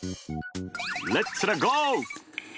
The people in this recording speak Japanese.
レッツらゴー！